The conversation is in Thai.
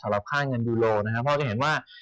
สำหรับค่าเงินยุโรนะครับเพราะว่าจะเห็นว่า